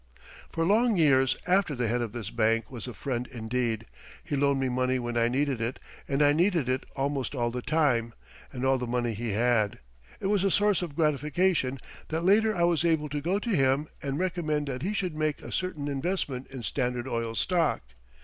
For long years after the head of this bank was a friend indeed; he loaned me money when I needed it, and I needed it almost all the time, and all the money he had. It was a source of gratification that later I was able to go to him and recommend that he should make a certain investment in Standard Oil stock.